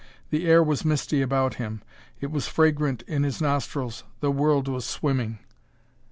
The air was misty about him; it was fragrant in his nostrils; the world was swimming....